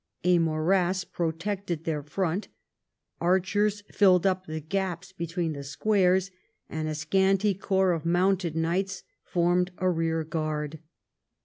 A morass protected their front ; archers filled up the gaps between the squares ; and a scanty corps of mounted knights formed a rear guard.